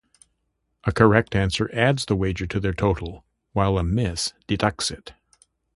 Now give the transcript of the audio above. A correct answer adds the wager to their total, while a miss deducts it.